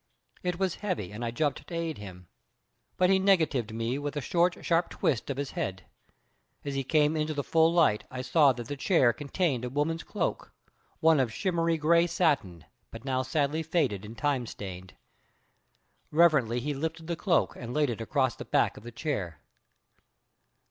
It was heavy and I jumped to aid him, but he negatived me with a short, sharp twist of his head. As he came into the full light I saw that the chair contained a woman's cloak, one of shimmery gray satin, but now sadly faded and time stained. Reverently he lifted the cloak and laid it across the back of the chair.